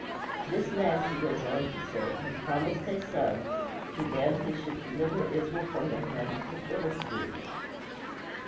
This man, she goes on to say, had promised a son to them who should deliver Israel from the hand of the Philistines.